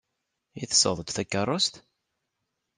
I tesɣeḍ-d takeṛṛust?